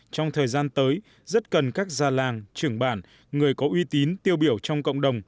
trong thời gian tới rất cần các già làng trưởng bản người có uy tín tiêu biểu trong cộng đồng